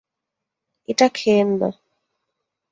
এটা খেয়েন না!